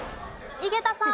井桁さん。